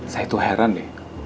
saya tuh heran deh